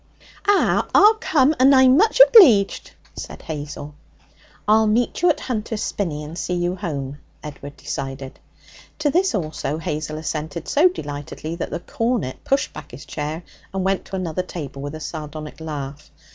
'Ah, I'll come, and I'm much obleeged,' said Hazel. 'I'll meet you at Hunter's Spinney and see you home.' Edward decided. To this also Hazel assented so delightedly that the cornet pushed back his chair and went to another table with a sardonic laugh.